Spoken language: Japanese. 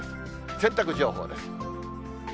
洗濯情報です。